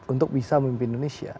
untuk bisa memimpin indonesia